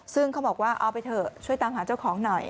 ซึ่งเขาบอกว่าเอาไปเถอะช่วยตามหาเจ้าของหน่อย